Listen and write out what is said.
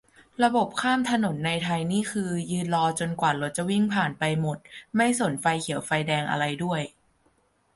ระบบข้ามถนนในไทยนี่คือ ยืนรอจนกว่ารถจะวิ่งผ่านไปหมด ไม่สนไฟเขียวไฟแดงอะไรด้วย